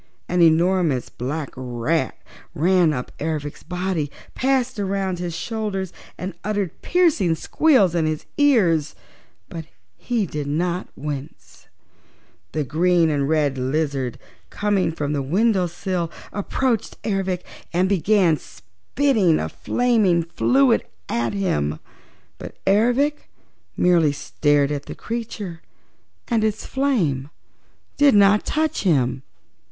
An enormous black rat ran up Ervic's body, passed around his shoulders and uttered piercing squeals in his ears, but he did not wince. The green and red lizard, coming from the window sill, approached Ervic and began spitting a flaming fluid at him, but Ervic merely stared at the creature and its flame did not touch him.